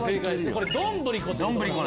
これ「どんぶりこ」。